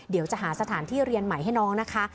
เดี๋ยวจะหาสถานที่เรียนใหม่ให้น้องนะคะ